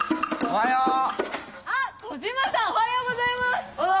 おはようございます！